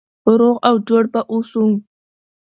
روغ او جوړ به اوسو.